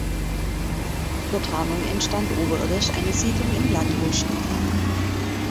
Zur Tarnung entstand oberirdisch eine Siedlung im Landhausstil.